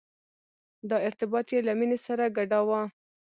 دا ارتباط یې له مینې سره ګډاوه.